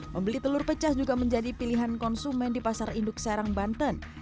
membeli telur pecah juga menjadi pilihan konsumen di pasar induk serang banten